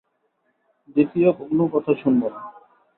দ্বিতীয় কোনো কথা শুনব না।